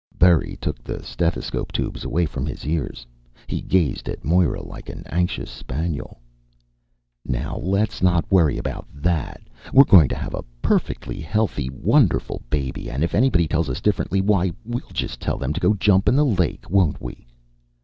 Berry took the stethoscope tubes away from his ears. He gazed at Moira like an anxious spaniel. "Now let's not worry about that. We're going to have a perfectly healthy wonderful baby, and if anybody tells us differently, why, we'll just tell them to go jump in the lake, won't we?"